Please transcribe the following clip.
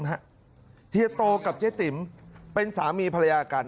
เฮียโตกับเจ๊ติ๋มเป็นสามีภรรยากัน